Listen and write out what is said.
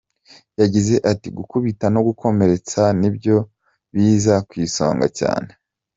Yagize ati "Gukubita no gukomeretsa nibyo biza ku isonga cyane .